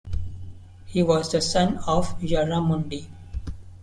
He was the son of Yarramundi.